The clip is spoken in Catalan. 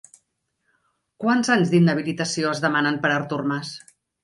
Quants anys d'inhabilitació es demanen per a Artur Mas?